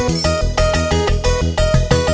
di lanjut semangat ambil mlop